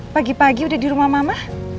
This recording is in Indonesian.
pagi pagi udah dirumah mama